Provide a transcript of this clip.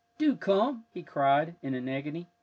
"Do come," he cried, in an agony.